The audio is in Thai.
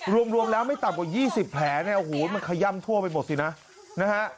รวมแล้วไม่ต่ำกว่า๒๐แผลเนี่ยโอ้โหมันขย่ำทั่วไปหมดสินะนะฮะ